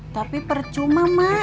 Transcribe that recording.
tapi percuma mak